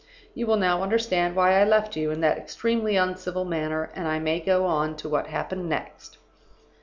"You will now understand why I left you in that extremely uncivil manner, and I may go on to what happened next.